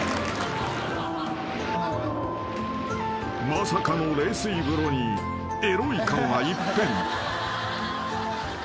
［まさかの冷水風呂にエロい顔が一変］